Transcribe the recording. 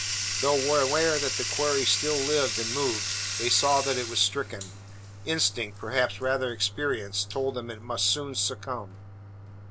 Though aware that the quarry still lived and moved, they saw that it was stricken. Instinct perhaps rather experience told them it must soon succumb.